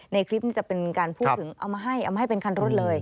ในคลิปนี้จะเป็นการพูดถึงเอามาให้เอามาให้เป็นคันรถเลย